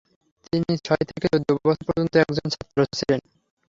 তিনি ছয় থেকে চোদ্দো বছর পর্যন্ত একজন ছাত্র ছিলেন।